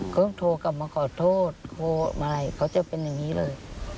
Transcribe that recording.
เขาต้องโทรกลับมาขอโทษเขาจะเป็นอย่างนี้เลย